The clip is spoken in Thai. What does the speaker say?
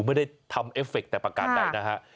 ไม่ได้ทำเอฟเฟคแต่ประการใดนะฮะ